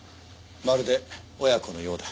まるで親子のようだ。